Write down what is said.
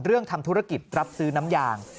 ทำธุรกิจรับซื้อน้ำยาง